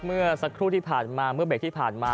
เมื่อสักครู่ที่ผ่านมาเมื่อเบรกที่ผ่านมา